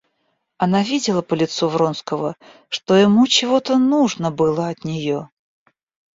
Она видела по лицу Вронского, что ему чего-то нужно было от нее.